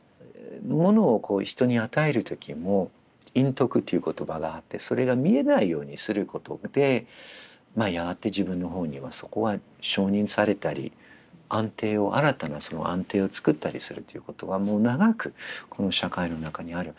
ものを人に与える時も「陰徳」っていう言葉があってそれが見えないようにすることでまあやがて自分の方にはそこは承認されたり安定を新たなその安定をつくったりするということはもう長くこの社会の中にある。